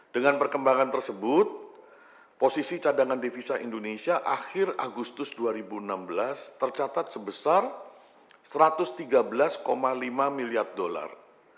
dengan perkembangan tersebut posisi cadangan devisa indonesia akhir agustus dua ribu enam belas tercatat sebesar satu ratus tiga belas lima miliar dolar